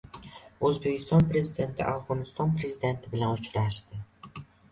O‘zbekiston Prezidenti Afg‘oniston Prezidenti bilan uchrashdi